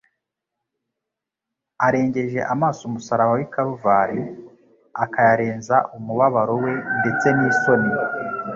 Arengeje amaso umusaraba w'i Karuvali, akayarenza umubabaro we ndetse n'isoni,